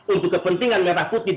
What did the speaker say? untuk kepentingan merah putih